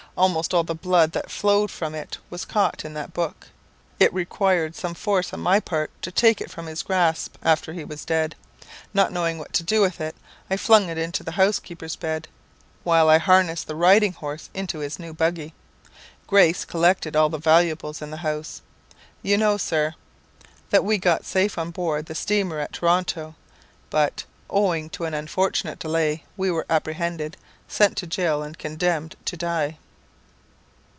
Almost all the blood that flowed from it was caught in that book. It required some force on my part to take it from his grasp after he was dead. Not knowing what to do with it, I flung it into the housekeeper's bed. While I harnessed the riding horse into his new buggy, Grace collected all the valuables in the house. You know, Sir, that we got safe on board the steamer at Toronto; but, owing to an unfortunate delay, we were apprehended, sent to jail, and condemned to die.